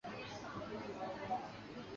本循环于比利时鲁汶举行。